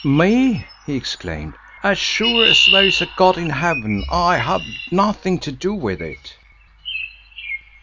"Me!" he exclaimed. "As sure as there is a God in Heaven I had nothing to do with it."